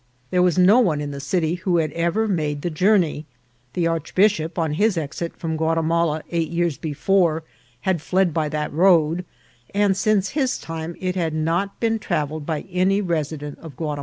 There was no one in the city who had ever made the journey. The archbishop, on his exit from Guatimala eight years before, had fled by that road, and since his time it had not been travelled by any resident of Gua 138 INCIDENTS OF TRAVEL.